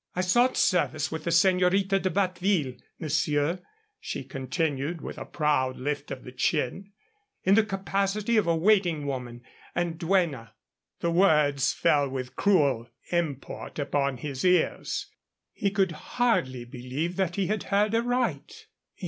"I sought service with the Señorita de Batteville, monsieur," she continued, with a proud lift of the chin, "in the capacity of waiting woman and duenna." The words fell with cruel import upon his ears. He could hardly believe that he had heard aright.